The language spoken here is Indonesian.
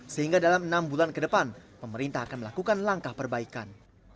sehingga dalam enam bulan ke depan pemerintah akan melakukan langkah perbaikan